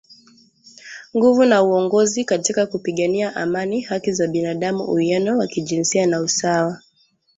nguvu na uongozi katika kupigania amani haki za binadamu uwiano wa kijinsia na usawa